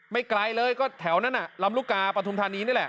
ไกลเลยก็แถวนั้นลำลูกกาปฐุมธานีนี่แหละ